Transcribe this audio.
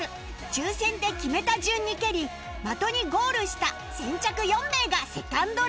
抽選で決めた順に蹴り的にゴールした先着４名がセカンドレグへ